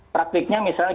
praktiknya misalnya gini